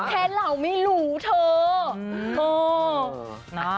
แค่เหล่าไม่หรูเถอะ